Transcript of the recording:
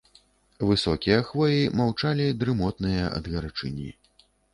Высокія хвоі маўчалі, дрымотныя ад гарачыні.